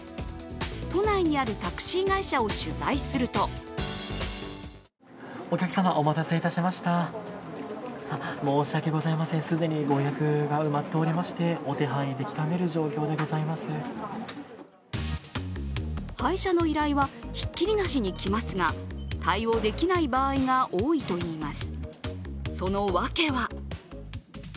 都内にあるタクシー会社を取材すると配車の依頼はひっきりなしにきますが対応できない場合が多いといいます。